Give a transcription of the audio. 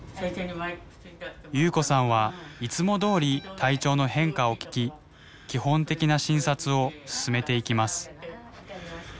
夕子さんはいつもどおり体調の変化を聞き基本的な診察を進めていきます。